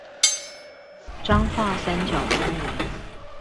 彰化三角公園